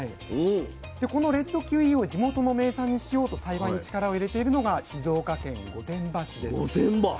でこのレッドキウイを地元の名産にしようと栽培に力を入れているのが静岡県御殿場市です。